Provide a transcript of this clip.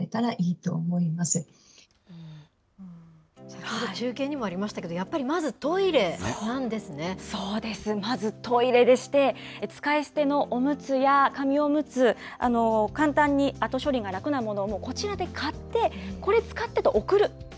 先ほど中継にもありましたけど、そうです、まずトイレでして、使い捨てのおむつや紙おむつ、簡単に後処理が楽なものをこちらで買って、これ、使ってって送る。